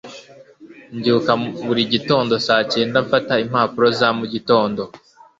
mbyuka buri gitondo saa cyenda mfata impapuro za mugitondo